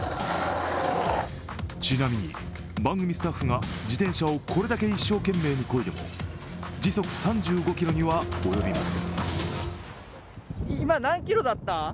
ちなみに番組スタッフが自転車をこれだけ一生懸命こいでも時速３５キロには及びません。